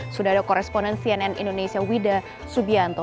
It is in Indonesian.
sudah ada koresponen cnn indonesia wida subianto